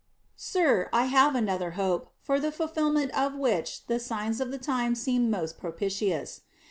Sir, I have another hope, for the fulfillment of which the signs of the times seem most propitious.